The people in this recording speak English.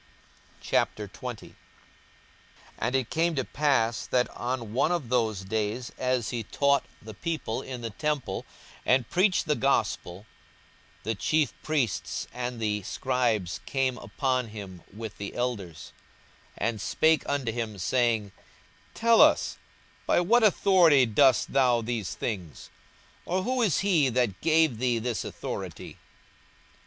42:020:001 And it came to pass, that on one of those days, as he taught the people in the temple, and preached the gospel, the chief priests and the scribes came upon him with the elders, 42:020:002 And spake unto him, saying, Tell us, by what authority doest thou these things? or who is he that gave thee this authority?